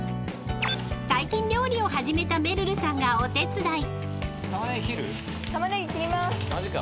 ［最近料理を始めためるるさんがお手伝い］